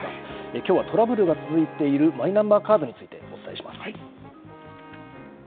きょうはトラブルが続いているマイナンバーカードについてお伝えします。